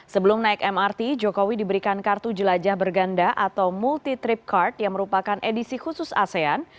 sebelum naik mrt jokowi diberikan kartu jelajah berganda atau multi tripcard yang merupakan edisi khusus asean